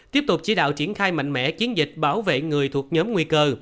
tiếp tục chỉ đạo triển khai mạnh mẽ chiến dịch bảo vệ người thuộc nhóm nguy cơ